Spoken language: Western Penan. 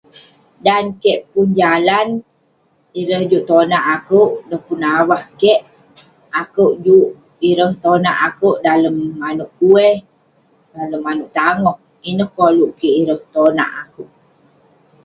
Dan keik pun jalan, ireh juk tonak akouk..dan pun avah keik, akouk juk..ireh tonak akouk dalem manouk kueh, dalem manouk tangoh, ineh koluk kik ireh tonak akouk..